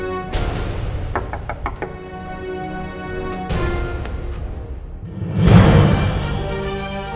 tapi heal sampai cinsnik